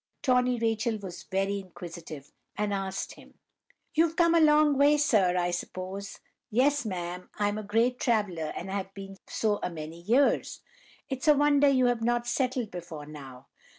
Tawny Rachel was very inquisitive, and asked him:— "'You've come a long way, sir, I suppose?' "'Yes, ma'am; I'm a great traveller, and have been so a many years.' "'It's a wonder you have not settled before now.